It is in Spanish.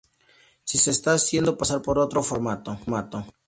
Si se está haciendo pasar por otro formato.